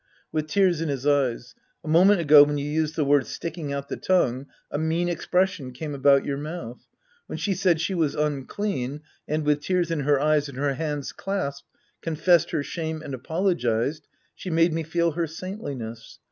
(With tears in his eyes.) A moment ago, when you used the words " sticking out the tongue," a mean expression came about your mouth. When she said she was unclean and, with tears in her eyes and her hands clasped, confessed her shame and apologized, she made me feel her saintliness.